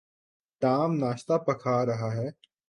Tom ناشتہ پکھا رہا ہے۔